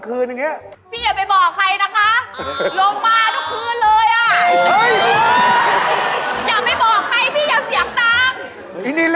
เล่นดีครับ